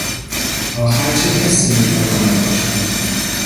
آخر چه کسی میتواند باشد؟